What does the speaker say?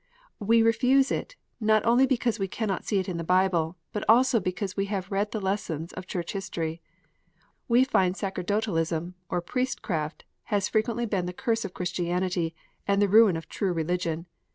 We refuse it, not only because we cannot see it in the Bible, but also because we have read the lessons of Church history. We find that Sacerdotalism, or priestcraft, has frequently been the curse of Christianity, and the ruin of true religion.